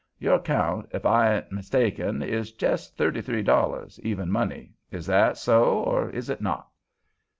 Your count, ef I ain't mistakened, is jes' thirty three dollars, even money. Is that so, or is it not?"